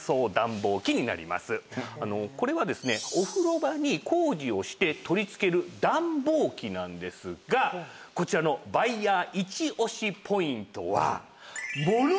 これはですねお風呂場に工事をして取り付ける暖房機なんですがこちらのバイヤーイチオシポイントは。